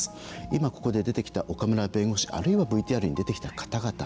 今ここで出てきた岡村弁護士あるいはＶＴＲに出てきた方々